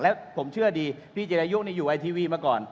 แล้วผมเชื่อดีพี่จิรายุนี่อยู่ไอทีวีมาก่อน